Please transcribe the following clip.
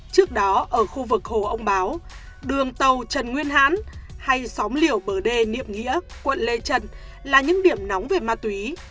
trước đó ở khu vực hồ ông báo đường tàu trần nguyên hán hay xóm liều bờ đê niệm nghĩa quận lê trân là những điểm nóng về ma túy